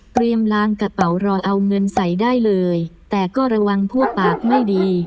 ล้างกระเป๋ารอเอาเงินใส่ได้เลยแต่ก็ระวังพวกปากไม่ดี